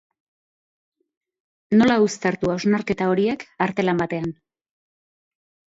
Nola uztartu hausnarketa horiek artelan batean?